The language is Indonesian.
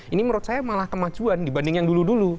ini menurut saya malah kemajuan dibanding yang dulu dulu